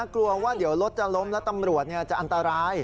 กลัวว่าเดี๋ยวรถจะล้มแล้วตำรวจจะอันตราย